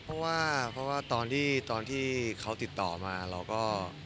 เพราะว่าเพราะว่าตอนที่เขาติดต่อมาเราก็